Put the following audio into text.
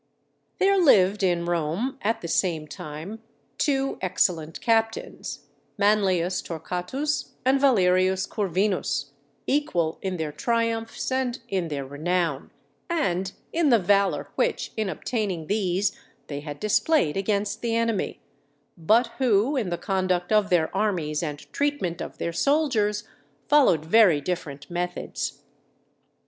_ There lived in Rome, at the same time, two excellent captains, Manlius Torquatus and Valerius Corvinus, equal in their triumphs and in their renown, and in the valour which in obtaining these they had displayed against the enemy; but who in the conduct of their armies and treatment of their soldiers, followed very different methods.